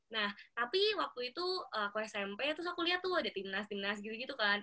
nah tapi waktu itu aku smp terus aku lihat tuh ada timnas timnas gitu gitu kan